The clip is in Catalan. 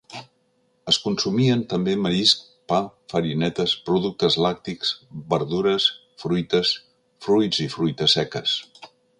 Es consumien també marisc, pa, farinetes, productes làctics, verdures, fruites, fruits i fruites seques.